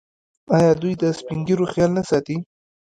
آیا دوی د سپین ږیرو خیال نه ساتي؟